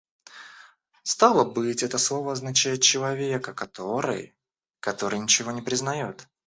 Стало быть, это слово означает человека, который... который ничего не признает?